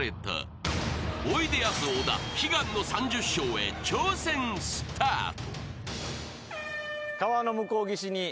［おいでやす小田悲願の３０笑へ挑戦スタート］